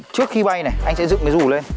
trước khi bay này anh sẽ dựng cái rù lên